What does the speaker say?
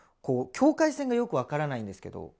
こう境界線がよく分からないんですけど。